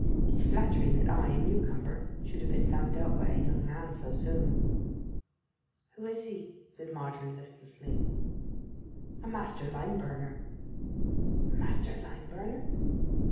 'Tis flattering that I, a new comer, should have been found out by a young man so soon.' 'Who is he?' said Margery listlessly. 'A master lime burner.' 'A master lime burner?